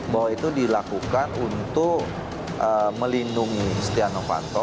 bahwa itu dilakukan untuk melindungi setia novanto